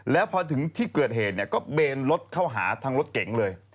แล้วพอถึงที่เกิดเหตุเนี่ยก็เบนรถเข้าหาทางรถเก๋งเลย